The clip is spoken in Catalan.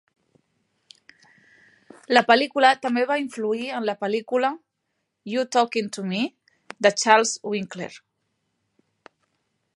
La pel·lícula també va influir en la pel·lícula "You Talkin 'to Me?" de Charles Winkler.